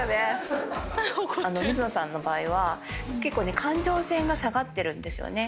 水野さんの場合は結構感情線が下がってるんですよね